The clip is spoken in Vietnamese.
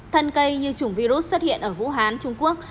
thân cây như chủng virus xuất hiện ở vũ hán trung quốc